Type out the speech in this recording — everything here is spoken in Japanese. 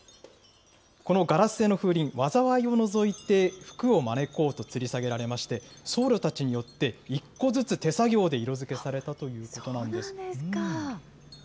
このガラス製の風鈴、災いを除いて、福を招こうとつり下げられまして、僧侶たちによって一個ずつ手作業で色づけされたということなんでそうなんですか。